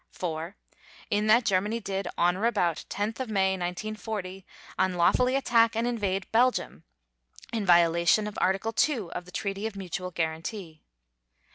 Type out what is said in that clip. (4) In that Germany did, on or about 10 May 1940, unlawfully attack and invade Belgium, in violation of Article 2 of the Treaty of Mutual Guarantee.